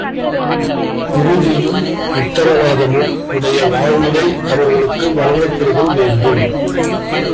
உறுதியும் உத்தரவாதமும் உடைய வாழ்நிலை அவர்களுக்கு வழங்கப்பெறுதல் வேண்டும்.